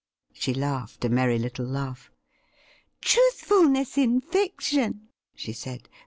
She laughed a merry little laugh. ' Truthfulness in fiction,' she said.